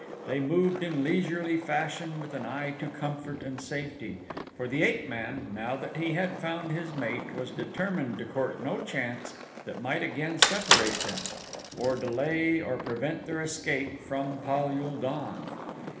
They moved in leisurely fashion with an eye to comfort and safety, for the ape man, now that he had found his mate, was determined to court no chance that might again separate them, or delay or prevent their escape from Pal ul don.